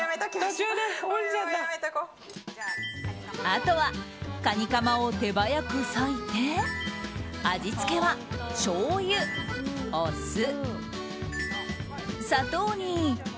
あとはカニかまを手早く割いて味付けは、しょうゆお酢、砂糖に。